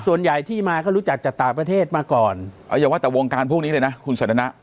ส่วนใหญ่ที่มาก็รู้จักจากต่างประเทศมาก่อนเอาอย่าว่าแต่วงการพวกนี้เลยนะคุณสันทนะ